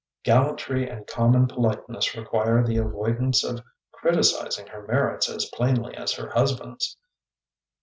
Gallantry and common politeness require the avoidance of criticising her merits as plainly as her husband's.